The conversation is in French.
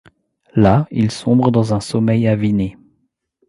Là, il sombre dans un sommeil aviné.